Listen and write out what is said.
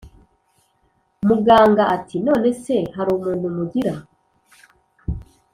muganga ati"nonese harumuntu mugira